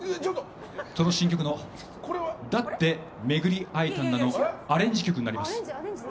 その新曲の「だってめぐり逢えたんだ」のアレンジ曲になります。